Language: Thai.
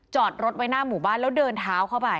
จอดรถไว้หน้าหมู่บ้านแล้วเดินเท้าเข้าไป